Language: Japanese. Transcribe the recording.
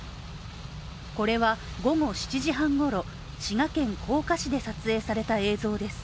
これは午後７時半ごろ、滋賀県甲賀市で撮影された映像です。